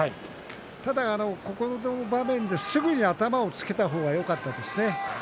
ただ、この場面ですぐに頭をつけた方がよかったですね。